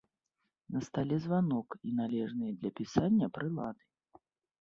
На стале званок і належныя для пісання прылады.